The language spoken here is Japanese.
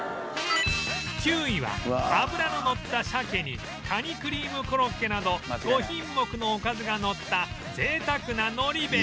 ９位は脂ののった鮭にカニクリームコロッケなど５品目のおかずがのった贅沢なのり弁